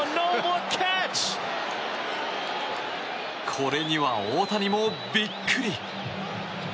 これには大谷もビックリ。